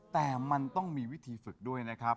แต่มันต้องมีวิธีฝึกด้วยนะครับ